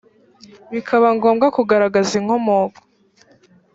bikaba ngombwa kugaragaza inkomoko